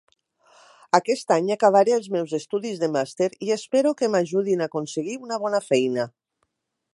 Aquest any acabaré els meus estudis de màster i espero que m'ajudin a aconseguir una bona feina.